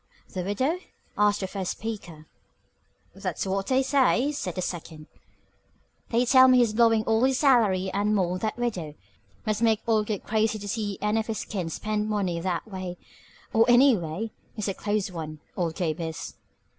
"The widow?" asked the first speaker. "That's what they say," said the second. "They tell me he's blowing all his salary and more on that widow. Must make old Gabe crazy to see any of his kin spend money that way. Or any way. He's a close one, old Gabe is."